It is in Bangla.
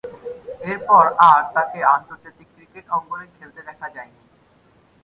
এরপর আর তাকে আন্তর্জাতিক ক্রিকেট অঙ্গনে খেলতে দেখা যায়নি।